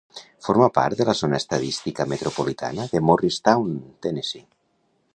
Forma part de la zona estadística metropolitana de Morristown, Tennessee.